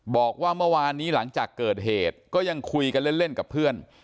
บอกว่าเมื่อวานนี้หลังจากเกิดเหตุก็ยังคุยกันเล่นกับเพื่อน